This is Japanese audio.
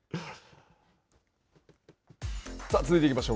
さあ、続いて行きましょう。